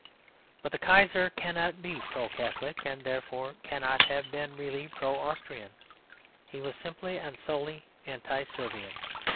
But the Kaiser cannot be Pro Catholic, and therefore cannot have been really Pro Austrian, he was simply and solely Anti Servian.